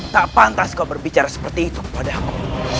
tak pantas kau berbicara seperti itu kepada aku